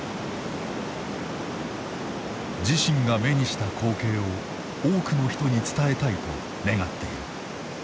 自身が目にした光景を多くの人に伝えたいと願っている。